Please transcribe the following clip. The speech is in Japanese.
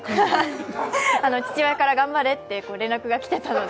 父親から、頑張れって連絡が来てたので。